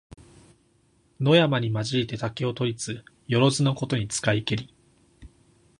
野山にまじりて竹を取りつ、よろづのことに使いけり。